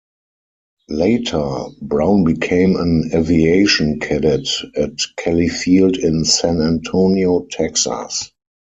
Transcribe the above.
Later, Brown became an aviation cadet at Kelly Field in San Antonio, Texas.